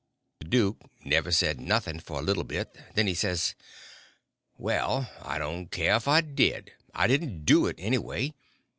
The duke never said nothing for a little bit; then he says: "Well, I don't care if I did, I didn't do it, anyway.